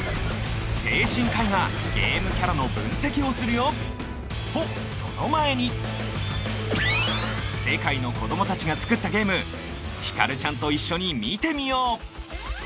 精神科医がゲームキャラの分析をするよ！とその前に世界の子どもたちが作ったゲームひかるちゃんと一緒に見てみよう！